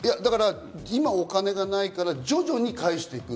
今お金がないから徐々に返していく。